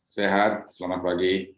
sehat selamat pagi